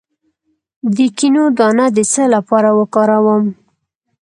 د کینو دانه د څه لپاره وکاروم؟